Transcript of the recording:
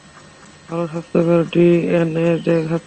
ভালো, স্বাস্থ্যকর ডিএনএ দেখাচ্ছে।